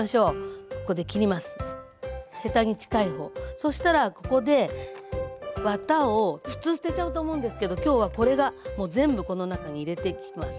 そしたらここでワタを普通捨てちゃうと思うんですけど今日はこれがもう全部この中に入れていきます。